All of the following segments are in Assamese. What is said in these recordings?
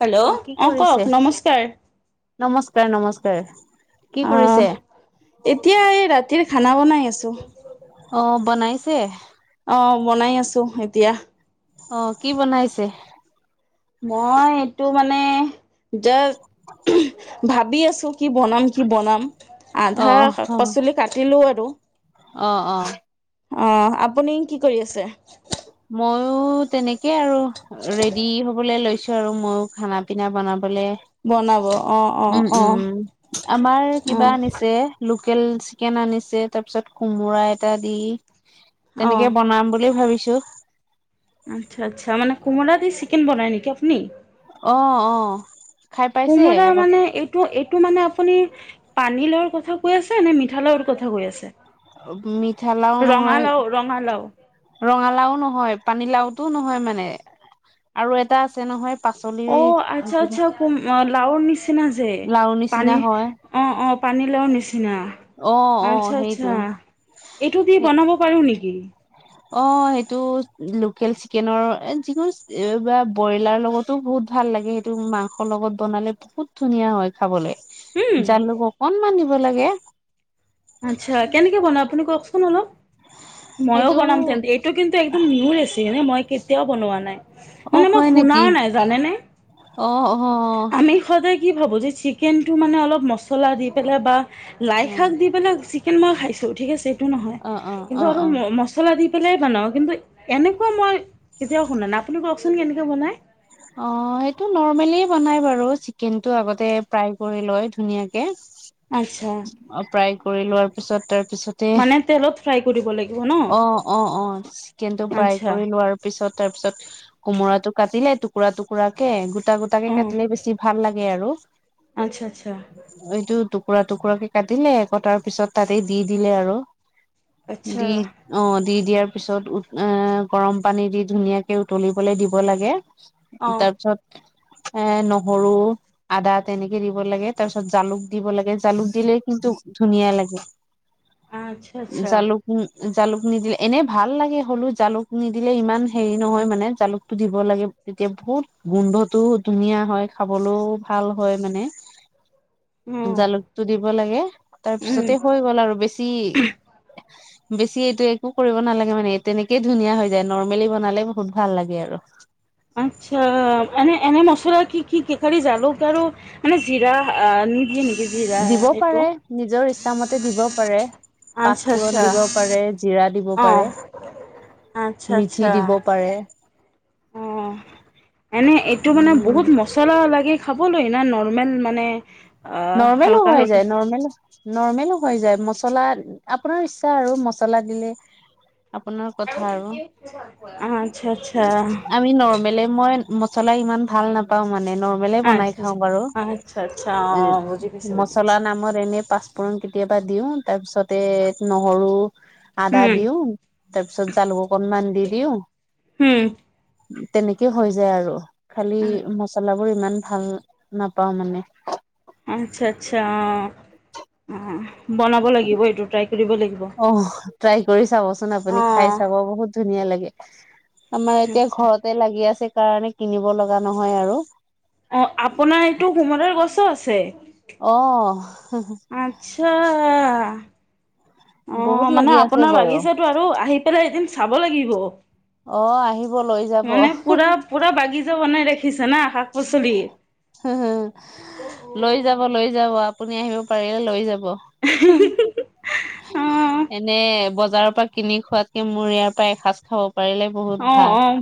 হেল্ল' কি অ কক কৰিছে নমস্কাৰ নমস্কাৰ নমস্কাৰ। কি কৰিছে আহ এতিয়া এই ৰাতিৰ খানা বনাই আছো। অ বনাইছে অ বনাই আছো এতিয়া অ কি বনাইছে মই এইটো মানে যে ভাবি আছো। কি বনাম কি বনাম অ আধা শাক অ পাচলি কাটিলো আৰু অ অ অ আপুনি কি কৰি আছে। মইয়ো তেনেকে আৰু ৰেডি হ'বলৈ লৈছো আৰু ময়ো খানা পিনা বনাব- বলে বনাব অ অ উম অ অ উম আমাৰ কিবা আনিছে লো- লোকেল চিকেন আনিছে তাৰপিছত কোমোৰা এটা দি অ তেনেকে বনাম বুলি ভাবি আচ্ছা আচ্ছা মানে কোমোৰা দি চিকেন বনাই নেকি আপুনি অঁ অঁ কোমৰা মানে এইটো টো মানে আপুনি পানী লাওৰ কথা কৈ আছে নে মিঠা লাও কথা কৈ আছে মিঠা লাও নহয় ৰঙালাও ৰঙালাও ৰঙালাও নহয় পানীলাও তাতো নহয় মানে আৰু এটা আছে নহয় পাচলি অহ আচ্ছা কিবা আচ্ছা কোম লাওৰ নিচি নিচিনা যে লাৰু নিচিনা পানী হয় অ অ পানী লাও নিচিনা অ অ আচ্ছা সেইটো আচ্ছা এইটো দি বনাব পাৰো নেকি? উ অ সেইটো লোকেল চিকেনৰ যিকোন বা ব্ৰইলাৰ লগতো বহুত ভাল লাগে সেইটো মাংসৰ লগত বনালে বহুত ধুনীয়া হয় উম খাবলৈ জালুক অকনমান দিব লাগে। আচ্ছা কেনেকে বনা আপুনি কওকচোন অলপ মইও সেইটো বনাম তেন্তে এইটো কিন্তু একদম নিউ ৰেচিপি নে মই কেতিয়াও বনোৱা নাই অ মানে মই হয় নেকি শুনাও নাই জানেনে অ অ আমি সদায় কি ভাবো যে চিকেণ্ টো মানে অলপ মছলা দি পেলাই বা অ লাইশাক দি চিকেন মই খাইছোঁ ঠিক আছে কাৰণ অ অ অ এটো অ নহয় মছলা দি পেলাই বনাওঁ কিন্তু এনেকুৱা মই কেতিয়াও শুনা নাই আপুনি কওকচোন কেনেকৈ বনায় অ সেইটো নৰ্মেলি বনাই বাৰু চিকেনটো আগতে ফ্ৰাই কৰি লয় ধুনীয়াকে আচ্ছা অ প্ৰায় কৰি লোৱাৰ পিছত তাৰ তাৰপিছতে মানে তেলত ফ্ৰাই কৰিব লাগিব ন অ অ অ চিকেন টো ফ্ৰাই আচ্ছা কৰি লোৱাৰ পিছত তাৰ পিছত কোমোৰাটো কাটিল টুকুৰা টুকুৰাকে গোটা গোটাকে অ কাটিলে বেছি ভাল লাগে আৰু আচ্ছা আচ্ছা কুকুৰা টুকুৰাকে কাটিলে আকৌ তাৰ পিছত তাতে দি দিলে আৰু আচ্ছা দি অহ দি দিয়াৰ পিছত উম গৰম পানী দি ধুনীয়াকে উতলিবলৈ দিব লাগে অ তাৰপিছত এ নহৰু আদা তেনেকে দিব লাগে তাৰ পিছত জালুক দিব লাগে জালুক দিলে কি কিন্তু ধুনীয়া লাগে আচ্ছা আচ্ছা জালুক জালুক নিদিলে এনে ভাল লাগে হলো জালুক নিদিলে ইমান হেৰি নহয় মানে জালুকতটো দিব লাগে তেতিয়া বহুত গোন্ধটোও ধুনীয়া হয় খাবলৈও ভাল হয় মানে অ জালুকটো দিব লাগে উম তাৰপিছতে হৈ গ'ল আৰু বেছি বেছি এইটো একো কৰিব নালাগে মানে তেনেকেই ধুনীয়া হৈ যায় নৰ্মেলি বনালে বহুত ভাল লাগে আৰু আচ্ছা এনে এনে মছলা কি কি কি কেখাৰি জালুক আৰু মানে জিৰা নিদিয়ে নেকি জিৰা দিব এইটো পাৰে নিজৰ ইচ্ছামতে দিব পাৰে আচ্ছা পাঁচফোৰণ আচ্ছা দিব পাৰে জিৰা দিব অ পাৰে আচ্ছা মিঠি আচ্ছা দিব পাৰে অহ অহ এনে এইটো মানে বহুত উম মচলা লাগে। খাবলৈ না নৰ্মেল মানে অ নৰ্মেল হালকা হৈ হালকা যায় নৰৰ্মেল নৰ্মেল হৈ যায় মচলা আপোনাৰ ইচ্ছা আৰু মচলা দিলে। আপোনাৰ কথা আৰু আচ্ছা আচ্ছা আমি নৰ্মলে মই মচলা ইমান ভাল নাপাওঁ মানে নৰ্মেল বনাই আচ্ছা খাওঁ বাৰু আচ্ছা আচ্ছা আচ্ছা অ এ বুজি পাইছো বুজি মছলা পাইছো নামৰ এনে পাচ পূৰন কেতিয়াবা দিওঁ তাৰপিছতে নহৰু আদা উম দিও তাৰপিছত জালুক অকনমান দি দিওঁ উম তেনেকে হৈ যায় আৰু খালি মচলাবোৰ ইমান ভাল নাপাওঁ মানে আচ্ছা আচ্ছা অহ বনাব লাগিব এইটো ট্ৰাই কৰিব লাগিব। অ ট্ৰাই কৰি চাবচোন অ আপুনি খাই চাব বহুত ধুনীয়া লাগে। আমাৰ এতিয়া আচ্ছা ঘৰতে লাগি আছে কাৰণে কিনিব লগা নহয় আৰু অ! আপোনাৰ এইটো সোমৰৰ গছো আছে? অ আচ্ছা অঁ! বহুত মানে লাগি আছে আপোনাৰ বাৰু বাগিচাতো আৰু আহি পেলাই এদিন চাব লাগিব অ আহিব লৈ যাব মানে পোৰা পোৰা বাগিচা বনাই ৰাখিছে না শাক। পাচলি। হুম লৈ যাব লৈ যাব, আপুনি আহিব পাৰিলে লৈ যাব। হুো অ' এনে ব বজাৰৰ পৰা কিনি খোৱাতকে মোৰ ইয়াৰ পৰা এসাঁজ খাব পাৰিলে বহুত অ' ভাল অ'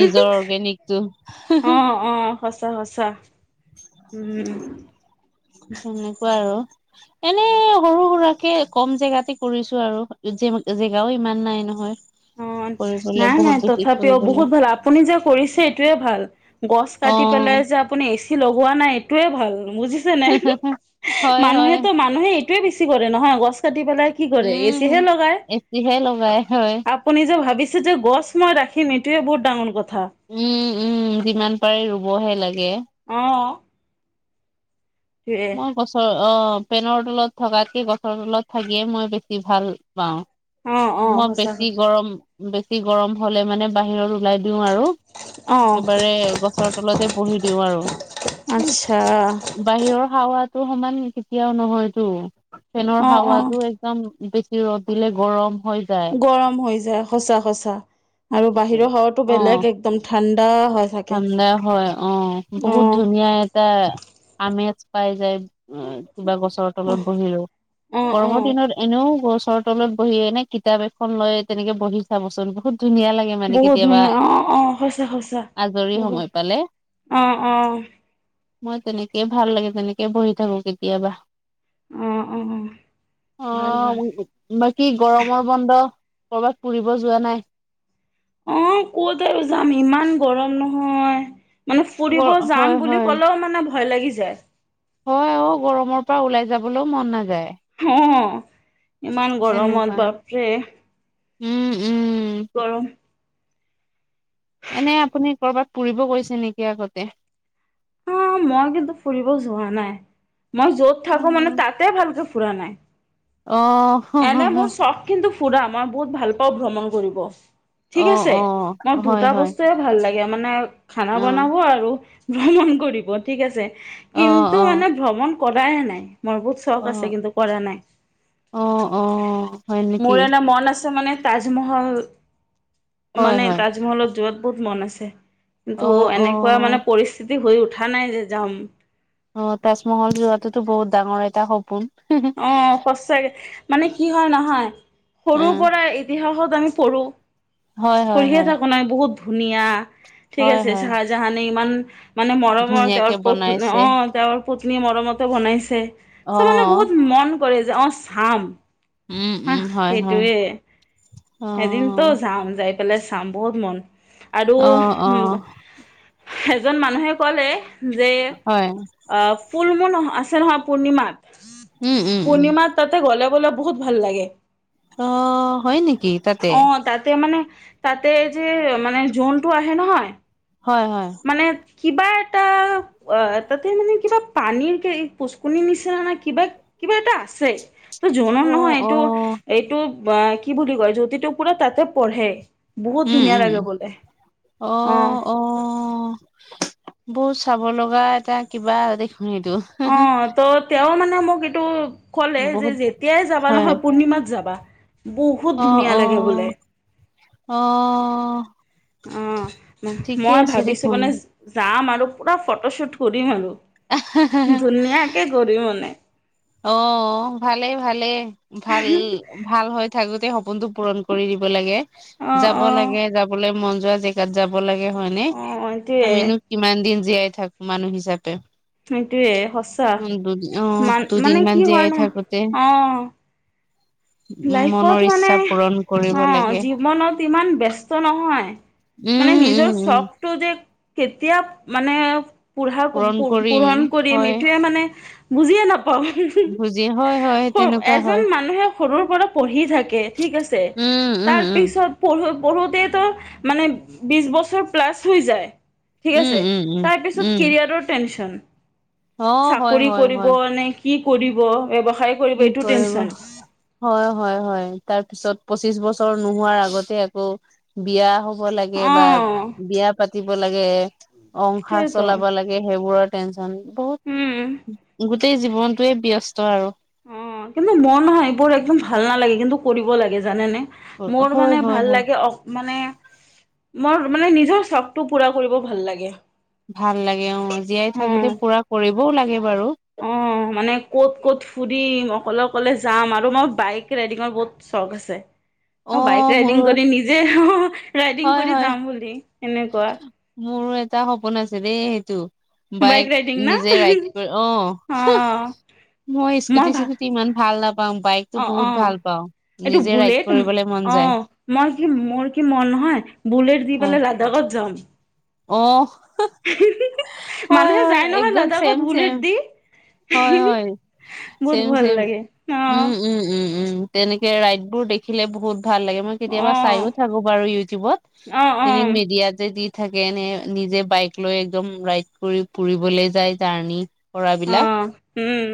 নিজৰ অৰ্গেনিকটো অ' অ' সঁচা সঁচা উম তেনেকুৱা আৰু এনে সৰু সুৰুকে কম জেগাতে কৰিছো আৰু এতিয়া ইমান জেগাও ইমান নাই নহয় অ' কৰিবলৈ নাই বহুত নাই বেছি তথাপিও কৰিবলৈ বহুত ভাল আপুনি যে কৰিছে এইটোয়ে ভাল গছ কাটি পেলাই অ পিছে আপুনি এৰ্চি লগোৱা নাই এইটোৱে ভাল, বুজিছে নাই হয় হয় মানুহেতো মানুহেই এইটোবে বেছি কৰে নহয় গছ কাটি পেলাই কি কৰে? উম, এচীহে লগাই। এচিহে লগাই হয়। নিজে ভাবিছে যে গছ মই ৰাখিম এইটোয়ে বহুত ডাঙৰ কথা উম! উম! যিমান পাৰে ৰুব হে লাগে। অ', টোৱে মই গছত অহ ফেনৰ তলত থকাতকে গছৰ তলত থাকিয়ে মই বেছি ভাল পাওঁ। অ', অ', মই সঁচা বেছি কথা গৰম, বেছি গৰম হলে মানে বাহিৰত ওলাই দিওঁ আৰু, অ', একেবাৰে গছৰ তলতে বহি দিওঁ আৰু আচ্ছা বাহিৰৰ হাৱাত তোৰ সমান কেতিয়াও নহয়তটো, ফেনৰ অ', অ', হাৱাতটো একদম বেছি ৰদ দিলে গৰম হৈ যায়। গৰম হৈ যায় সচাঁ সচাঁ আৰু বাহিৰৰ হাৱাটো অ'। বেলেগ একদম ঠাণ্ডা হৈ থাকে ঠাণ্ডা হয় অঁ বহুত অ', ধুনীয়া এটা আমেজ পাই যায় কিবা গছৰ তলত অ', বহিলো অ', গৰমৰ অ', দিনত এনেও গছৰ তলত বহি এনে কিতাপ এখন লৈ তেনেকে বহি চাবচোন বহুত ধুনীয়া লাগে মানে বহুত কেতিয়াবা ধুনীয়া অ', অ', সঁচা সঁচা আজৰি বহুত সময় পালে। অ', অ', মই তেনেকেই ভাল লাগে তেনেকে বহি থাকো কেতিয়াবা। অ', অ', ভাল ভাল আহ বাকী গৰমৰ বন্ধ ক'ৰবাত ফুৰিব যোৱা নাই। আহ কত যাম ইমান গৰম নহয়। মানে গৰ ফুৰিব হয় যাম বুলি হয় ক'লেও মানে ভয় লাগি যায়। হয় অঔ গৰমৰ পৰা ওলাই যাবলৈও মন নাযায়। অ ইমান গৰমত তেনেকুৱা বাপৰে। উম উম গৰম। এনে আপুনি কৰবাত ফুৰিব গৈছে নেকি আগতে। অ মই কিন্তু ফুৰিব যোৱা নাই, মই যত থাকো মানে অ', তাতে ভালকে। নাই অ', এনে মোৰ শখ কিন্তু ফুৰা মই বহুত ভাল পাওঁ ভ্ৰমণ কৰিব, ঠিক আছে মই অ', হয়, দুটা হয়, বস্তুয়ে ভাল লাগে। মানে খানা অ', বনাব আৰু ভ্ৰমণ কৰিব ঠিক আছে। অ', কিন্তু অ', মানে ভ্ৰমণ কৰা হে নাই মোৰ বহুত চখ আছে অ', কিন্তু কৰা নাই অ', অ', হয় মোৰ নেকি? এটা মন আছে মানে তাজমহল হয়, মানে হয়, তাজমহলত যোৱাত বহুত মন আছে। কিন্তু অ', এনেকুৱা মানে অ', পৰিস্থিতি হৈ উঠা নাই যে যাম। অ তাজমহল যোৱাততো বহুত ডাঙৰ এটা সপোন। উম সচাকে মানে কি হয় নহয় সৰুৰ উম, পৰাই ইতিহাসত। আমি পঢ়ো হয়, হয়, পঢ়িয়ে হয়, থাকো নি বহুত ধুনীয়া। ঠিক হয়, আছে হয়, চাহজাহানে ইমান মানে মৰমৰ ধুনীয়াকে তেওঁৰ পত্ন বনাইছে অ তেওঁৰ। পত্নীয়ে মৰমতে বনাইছে। চ' মানে আহ বহুত মন কৰে যে অ চাম। হ উম, হয়, হয়, সেইটোয়ে অ', এদিনতো যাম যাই পেলাই। চ বহুত মন আৰু অ', অ', এজন মানুহে কলে যে হয়, অ ফুল মো নহয়। আছে নহয় পূৰ্ণিমাত উম, উম, উম, পূৰ্ণিমাত তাতে গ'লে গ'লে বহুত ভাল লাগে। অ হয় নেকি? তাতে? অ তাতে মানে তাতে যে মানে জোনটো আহে নহয়। হয় হয়। মানে কিবা এটা অ তাতে মানে কিবা পানীৰ। পোচকনিৰ নিচিনা নে কিবা কিবা এটা আছে। ত জনন অ', নহয় এইটো অ', এইটো কি বুলি কয় জ্তিটো পুৰা তাতে পঢ়ে। বহুত উম ধুনীয়া উম লাগে উম বোলে অ অ। বহুত চাব লগা এটা কিবা দেখ অ ত তেওঁ মানে। তেওঁ মোক এইটো ক'লে যে বহুত যেতিয়াই যাবা হয় নহয় পূৰ্ণিমাত যাবা। বহুত অ ধুনীয়া অ লাগে বোলে অ আহ। ঠিকে মই আছে ভাবিছোঁ দেখোন মানে যাম আৰু পূৰা ফটোশ্বুট কৰিম আৰু ধুনীয়াকে কৰি মানে। অ ভালেই ভালেই ভাল ভাল হৈ থাকোতে হ। সপোনটো পূৰণ কৰি দিব লাগে অ অ যাব লাগে যাবলৈ মন যোৱা জেগাত যাব লাগে। হয় নে অ এইটোয়ে আমিনো কিমান দিন জীয়াই থাকো মানুহ হিচাপে। সেইটোয়ে সঁচা উ দুদিন আহ মান মানে দুদিনমান কি হয় জীয়াই ন থাকোতে। অ লাইফত মনৰ মানে ইচ্ছা পূৰণ কৰিব অ লাগে জীৱনত ইমান ব্যস্ত নহয়। মানে উম নিজৰ উম উম শখটো যে এতিয়া মানে পুঢ়া পূৰণ কৰিম পোৰণ কৰি হয় মিটয়ে মানে বুজিয়ে নাপ। বুজি হয় হয় তেনেকুৱা এজন হয় মানুহে। সৰুৰ পৰা পঢ়ি থাকে ঠিক আছে উম উম তাৰ উম পিচত। পঢ়োতেতো মানে বিশ বছৰ প্লাছ হৈ যায়। ঠিক উম আছে উম উম তাৰপিছত উম কেৰিয়াৰৰ টেনচন। অ হয় চাকৰি হয় কৰিব হয় নে কি কৰিব ব্যৱসায় কৰিব এইটো টেনচন। হয় হয় হয় তাৰ পিছত পচিশ বছৰ নোহোৱাৰ আগতে আকৌ বিয়া হব লাগে অ বা বিয়া পাতিব লাগে অসাৰ সেইটোৱেতো চলাব লাগে সেইবোৰত। উম বহুত গোটেই জীৱনটয়ে ব্যস্ত আৰু। অ কিন্তু মন হয় এইবোৰ একদম ভাল নালাগে কিন্তু কৰিব লাগে জানে নে। মোৰ হয় মানে হয় ভাল হয় লাগে অ মানে মোৰ মানে নিজৰ চখটো পুৰা কৰিব ভাল লাগে‌। ভাল লাগে অ জীয়াই থাকোতে পুৰা কৰিবও লাগে। বাৰু অ মানে ক'ত ক'ত ফুৰিম? অকলে কলে যাম আৰু মই বাইক ৰাইডিঙৰ বহুত চখ আছে‌। অ বাইক ৰাইডিং কৰি নিজে ৰাইডিং হয় কৰি হয় যাম বুলি এনেকুৱা। মোৰো এটা সপোন আছে দেই সেইটো বাইক ৰাইডিং না নিজে ৰাইড কৰি আহ। অ' মই স্কুটি স্কুটি ইমান ভাল নাপাওঁ বাইক টো অ' বহুত অ' ভাল পাওঁ এইটো নিজে ৰাইড বুলেট কৰিবলৈ মন। অ যায় মই কি মোৰ কি মনহয় বুলেট দি হয় পেলাই লাডাখত যাম। অ হয় মানুহে হয় যায় নহয় একদম লাডাখত চেম বুলেট চেম। দি। হয় হয় বহুত চেম ভাল চেম লাগে অ' উম উম উম উম। তেনেকে ৰাইত বোৰ দেখিলে বহুত। ভাল লাগে মই কেতিয়াবা চাইও থাকো বাৰু ইউটিউবত অ' অ' এনে অ' মিডিয়া যে দি থাকে নে নিজে বাইক লৈ একদম ৰাইড কৰি ফুৰিবলৈ যায় জাৰ্ণি কৰা বিলাক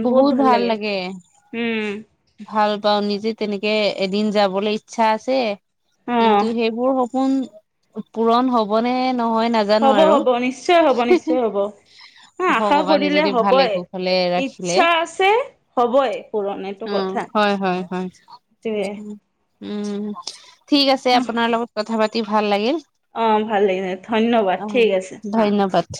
বহুত ভাল লাগে উম, ভাল পাওঁ নিজে তেনেকে এদিন যাবলৈ ইচ্ছা আছে অ', কিন্তু সেইবোৰ। কোন পূৰণ হ'বনে নহয় নাজানো হ'ব আৰু হ'ব নিশ্চয় হ'ব নিশ্চয় হ'ব। হা আশা ভগৱানে কৰিলে যদি ভালে হ'বই। কোখলে ৰাখি ইচ্ছা আছে হ'বই পূৰণ এইটো অহ কথা। হয় হয় সেইটোৱে হয় উম ঠিক আছে আপোনাৰ লগত কথা পাতি ভাল লাগিল অ ভাল লাগিছে ধন্যবাদ অ ঠিক আছে হা। ধন্যবাদ।